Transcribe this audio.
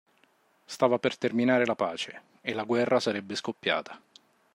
Stava per terminare la pace, e la guerra sarebbe scoppiata.